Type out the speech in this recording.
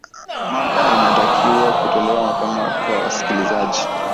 mada inatakiwa kutolewa mapema kwa wasikilizaji